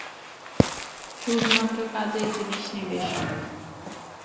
শুধুমাত্র কাজের জিনিস নিবে, সবাই।